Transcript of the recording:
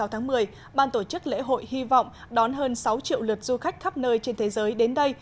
hai mươi tháng một mươi ban tổ chức lễ hội hy vọng đón hơn sáu triệu lượt du khách khắp nơi trên thế giới đến đây